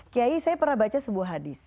kiai saya pernah baca sebuah hadis